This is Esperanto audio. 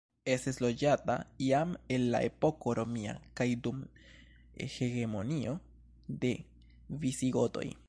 Estis loĝata jam el la epoko romia kaj dum hegemonio de visigotoj.